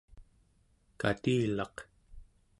katilaq